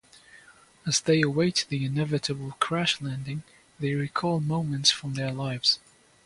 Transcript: As they await the inevitable crash landing, they recall moments from their lives.